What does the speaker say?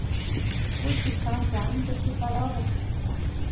kuchis kanku ancha chupadores